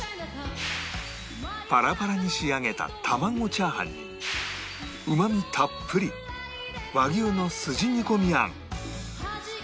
パラパラに仕上げた玉子チャーハンにうまみたっぷり和牛のすじ煮込みあん